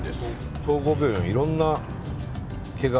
総合病院はいろんなけが